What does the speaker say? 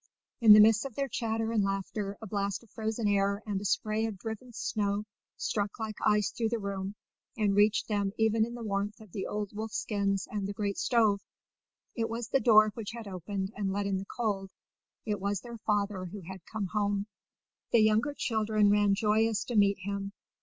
In the midst of their chatter and laughter a blast of frozen air and a spray of driven snow struck like ice through the room, and reached them even in the warmth of the old wolfskins and the great stove. It was the door which had opened and let in the cold; it was their father who had come home. The younger children ran joyous to meet him.